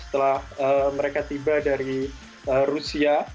setelah mereka tiba dari rusia